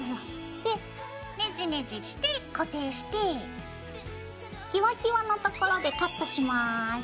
でネジネジして固定してキワキワの所でカットします。